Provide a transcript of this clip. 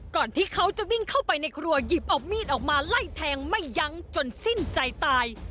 ก่อนที่เขาจะวิ่งเข้าไปในครัวหยิบเอามีดออกมาไล่แทงไม่ยั้งจนสิ้นใจตาย